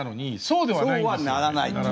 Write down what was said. そうはならないと。